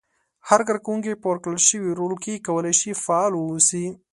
هر کار کوونکی په ورکړل شوي رول کې کولای شي فعال واوسي.